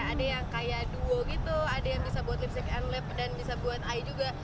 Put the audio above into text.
ada yang kayak duo gitu ada yang bisa buat lipstick and lip dan bisa buat eye juga